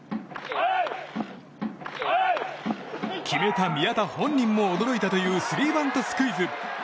決めた宮田本人も驚いたというスリーバントスクイズ。